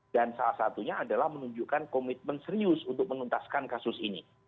dan salah satunya adalah menunjukkan komitmen serius untuk menentaskan kasus ini